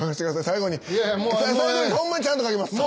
最後にホンマにちゃんと描きます。